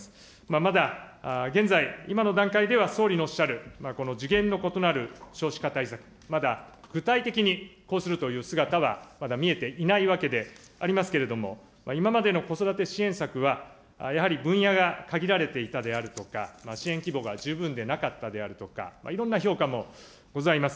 まだ現在、今の段階では総理のおっしゃる、この次元の異なる少子化対策、まだ具体的にこうするという姿はまだ見えていないわけでありますけれども、今までの子育て支援策はやはり分野が限られていたであるとか、支援規模が十分でなかったであるとか、いろんな評価もございます。